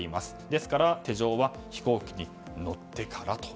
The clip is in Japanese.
ですから、手錠は飛行機に乗ってからと。